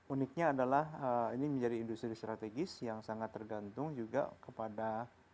uniknya adalah ini menjadi industri strategis yang sangat tergantung juga kepada